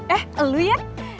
eh elu ya